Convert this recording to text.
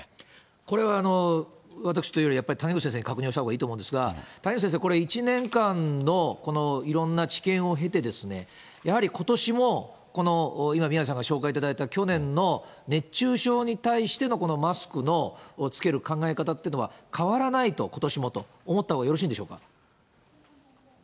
これは私というより、ちょっと谷口先生に確認をしたほうがいいと思うんですが、谷口先生、これ、１年間のこのいろんな知見を経て、やはりことしも、この今、宮根さんが紹介いただいた去年の熱中症に対しての、マスクのつける考え方っていうのは、変わらないと、ことしもと思ったほうがよろしいんでしょうか？